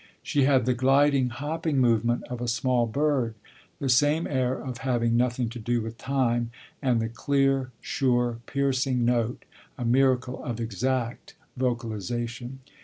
She had the gliding, hopping movement of a small bird, the same air of having nothing to do with time, and the clear, sure, piercing note, a miracle of exact vocalisation.